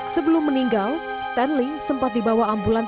sebelum meninggal stanley sempat dibawa ambulans